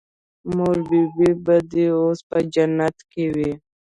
مور بي بي به دې اوس په جنت کښې وي.